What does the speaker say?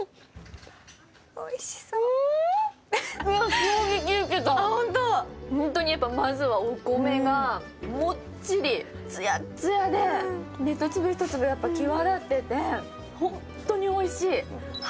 今衝撃受けたホントにやっぱまずはお米がもっちりつやっつやでひと粒ひと粒やっぱ際立っててホントにおいしいあ